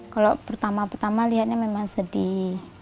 kalau pertama pertama lihatnya memang sedih